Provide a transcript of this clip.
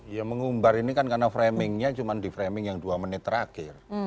ya mengumbar ini kan karena framingnya cuma di framing yang dua menit terakhir